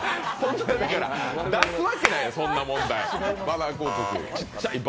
出すわけない、そんな問題。